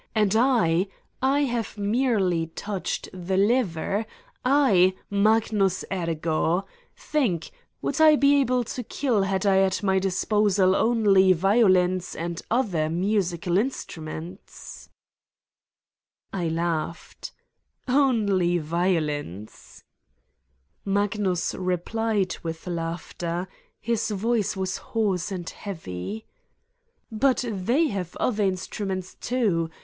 And I I have merely touched the lever, I, Magnus Ergo! Think: would I be able to kill had I at my disposal only violins or other musical instruments V 9 I laughed : "Only violins!" Magnus replied with laughter: his voice was hoarse and heavy: "But they have other instruments, too!